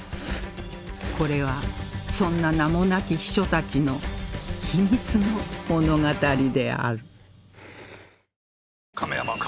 これはそんな名もなき秘書たちの秘密の物語である